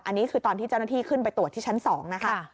อันนี้คือตอนที่เจ้าหน้าที่ขึ้นไปตรวจที่ชั้น๒นะคะ